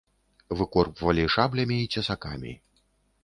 Выкорпвалі шаблямі і цесакамі.